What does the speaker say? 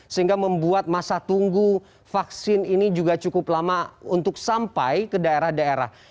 sehingga membuat masa tunggu vaksin ini juga cukup lama untuk sampai ke daerah daerah